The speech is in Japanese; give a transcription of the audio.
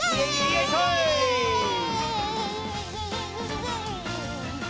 よいしょい！